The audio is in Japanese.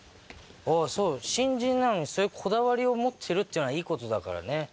新人なのにこだわりを持ってるっていうのはいいことだからね。